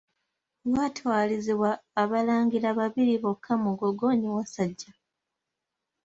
Waatalizibwa abalangira babiri bokka Mugogo ne Wassajja.